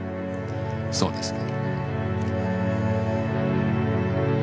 そうですか。